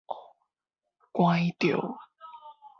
枴著